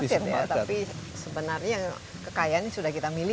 tapi sebenarnya kekayaan sudah kita miliki